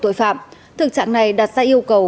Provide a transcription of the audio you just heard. tội phạm thực trạng này đặt ra yêu cầu